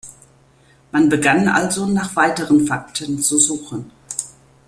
Man begann also nach weiteren Fakten zu suchen.